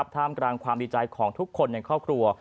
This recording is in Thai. ท่ามกลางความดีใจของทุกคนในครอบครัว